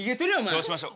どうしましょ？